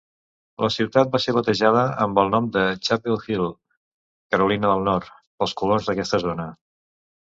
La ciutat va ser batejada amb el nom de Chapel Hill, Carolina de Nord, pels colons d'aquesta zona.